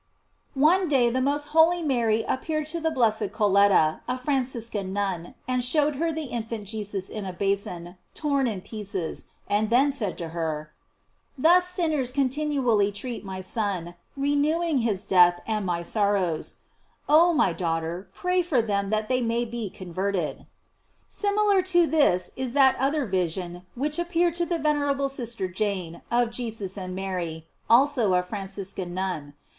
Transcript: One day the most holy Mary appeared to tht blessed Colletta, a Franciscan nun, and showed her the infant Jesus in a basin, torn in pieces, and then said to her: "Thus sinners continually treat my Son, renewing his death and my sor rows ; oh, my daughter, pray for them that they may be converted."* Similar to this is that other vision which appeared to the venerable sister Jane, of Jesus and Mary, also a Franciscan nun.